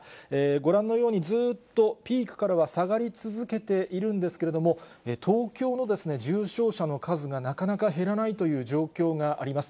ご覧のようにずっとピークからは下がり続けているんですけれども、東京の重症者の数がなかなか減らないという状況があります。